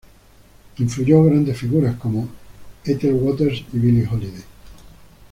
Influyó a grandes figuras como Ethel Waters y Billie Holiday.